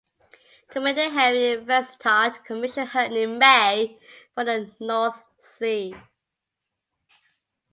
Commander Henry Vansittart commissioned her in May for the North Sea.